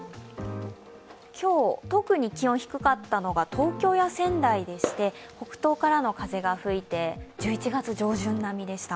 今日、特に気温が低かったのが東京や仙台でして北東からの風が吹いて１１月上旬並みでした。